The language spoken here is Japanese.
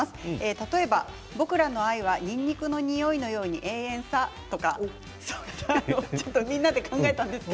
例えば、僕らの愛はにんにくのにおいのように永遠さとかちょっとみんなで考えたんですけど。